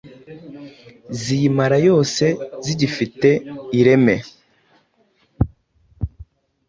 ziyimara yose zigifite ireme.